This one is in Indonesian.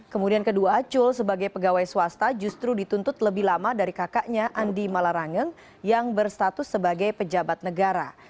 kemudian kedua acul sebagai pegawai swasta justru dituntut lebih lama dari kakaknya andi malarangeng yang berstatus sebagai pejabat negara